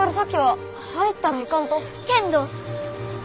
けんど！